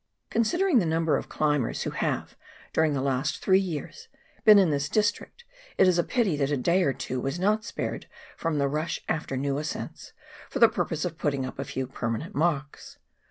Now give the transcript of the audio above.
Considering the number of climbers who have, during the last three years, been in this district, it is a pity that a day or two was not spared from the rush after new ascents for the purpose of putting up a few permanent marks.